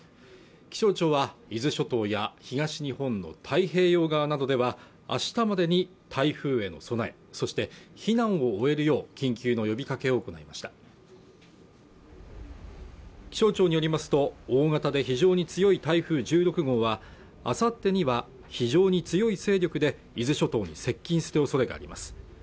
気象庁は伊豆諸島や東日本の太平洋側などでは明日までに台風への備えそして避難を終えるよう緊急の呼びかけを行いました気象庁によりますと大型で非常に強い台風１６号はあさってには非常に強い勢力で伊豆諸島に接近するおそれがあります